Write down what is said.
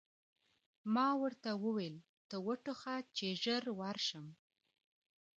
ما ورته وویل: ته و ټوخه، چې ژر ورشم.